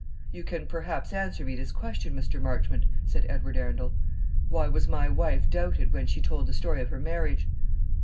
"You can perhaps answer me this question, Mr. Marchmont," said Edward Arundel. "Why was my wife doubted when she told the story of her marriage?"